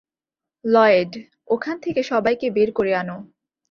Lloyd, ওখান থেকে সবাইকে বের করে আনো।